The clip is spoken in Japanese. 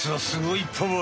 すごい。